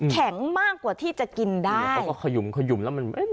แข็งมากกว่าที่จะกินได้เขาก็ขยุมขยุมแล้วมัน